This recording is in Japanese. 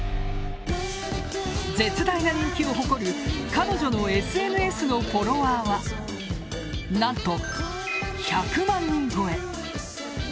絶大な人気を誇る彼女のＳＮＳのフォロワーは何と、１００万人超え。